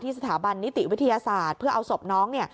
สถาบันนิติวิทยาศาสตร์เพื่อเอาศพน้องเนี่ย